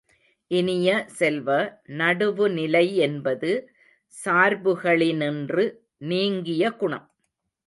இனிய செல்வ, நடுவுநிலை என்பது சார்புகளினின்று நீங்கிய குணம்.